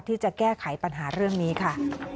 ที่จะแก้ไขปัญหาเรื่องนี้ค่ะ